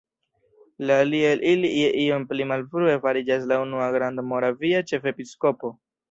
La alia el ili je iom pli malfrue fariĝas la unua grandmoravia ĉefepiskopo.